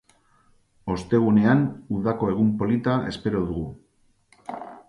Ostegunean udako egun polita espero dugu.